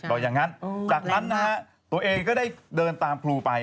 อย่างนั้นจากนั้นนะฮะตัวเองก็ได้เดินตามครูไป